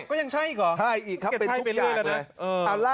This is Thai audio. ก็ยังใช่หรือเปล่าต้องเก็บใช้ไปเรื่อยแล้วนะใช่อีกครับเป็นทุกอย่างเลย